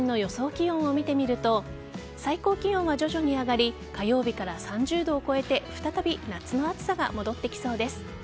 気温を見てみると最高気温は徐々に上がり火曜日から３０度を超えて再び夏の暑さが戻ってきそうです。